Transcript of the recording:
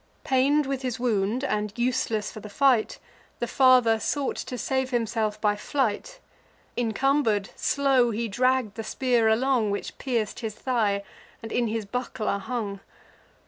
Pain'd with his wound, and useless for the fight, The father sought to save himself by flight: Encumber'd, slow he dragg'd the spear along, Which pierc'd his thigh, and in his buckler hung.